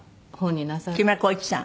木村光一さん？